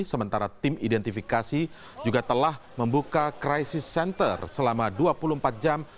sementara tim identifikasi juga telah membuka krisis center selama dua puluh empat jam